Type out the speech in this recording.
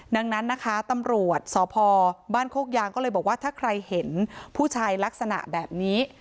ดังนั้นนะคะตำรวจสพบ้านโคกยางก็เลยบอกว่าถ้าใครเห็นผู้ชายลักษณะแบบนี้